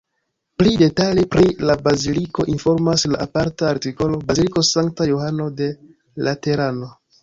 Pli detale pri la baziliko informas la aparta artikolo Baziliko Sankta Johano de Laterano.